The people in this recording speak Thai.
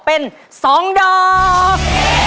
เป็น๒ดอก